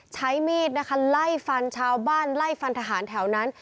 ใช้มีดนะคะไล่ฟันชาวบ้านไล่ฟันทหารแถวนั้น